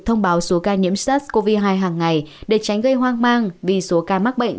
thông báo số ca nhiễm sars cov hai hàng ngày để tránh gây hoang mang vì số ca mắc bệnh